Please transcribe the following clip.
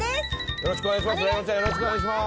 よろしくお願いします。